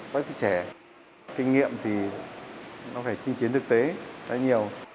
bây giờ tình hình dịch bệnh